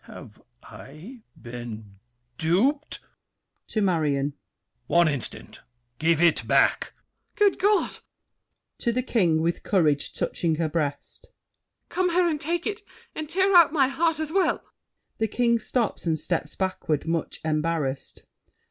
Have I been duped? [To Marion.] One instant! Give it back! MARION. Good God! [To The King, with courage, touching her breast. Come here and take it, and tear out My heart as well! [The King stops and steps backward, much embarrassed.